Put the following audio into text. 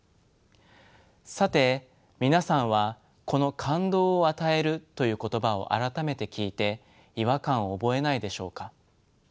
さて皆さんはこの「感動を与える」という言葉を改めて聞いて違和感を覚えないでしょうか。